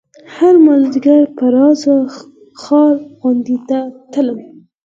هر مازديگر به د زاړه ښار غونډۍ ته تلم.